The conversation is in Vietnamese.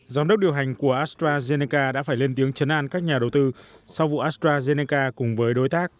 giám đốc điều hành của astrazeneca đã phải lên tiếng chấn an các nhà đầu tư sau vụ astrazeneca cùng với đối tác